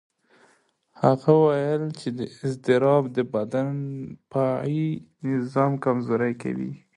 هغه وویل چې اضطراب د بدن دفاعي نظام کمزوري کوي.